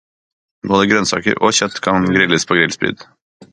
Både grønnsaker og kjøtt kan grilles på grillspyd.